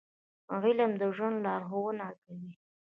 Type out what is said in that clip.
• علم د ژوند لارښوونه کوي.